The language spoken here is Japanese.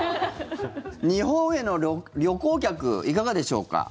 日本への旅行客いかがでしょうか？